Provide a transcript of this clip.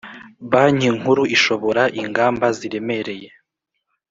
Banki Nkuru ishobora ingamba ziremereye